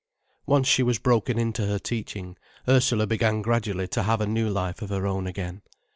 Once she was broken in to her teaching, Ursula began gradually to have a new life of her own again.